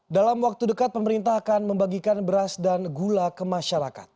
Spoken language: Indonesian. dalam waktu dekat pemerintah akan membagikan beras dan gula ke masyarakat